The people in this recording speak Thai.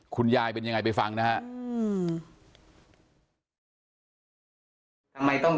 คุณยายเป็นยังไงไปฟังนะครับ